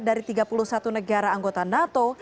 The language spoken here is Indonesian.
dari tiga puluh satu negara anggota nato